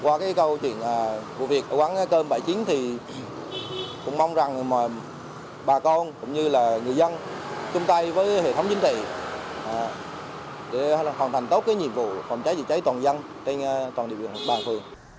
qua cái câu chuyện vụ việc ở quán cơm bãi chiến thì cũng mong rằng bà con cũng như là người dân chung tay với hệ thống chính thị để hoàn thành tốt cái nhiệm vụ phòng cháy dự cháy toàn dân trên toàn địa bàn phường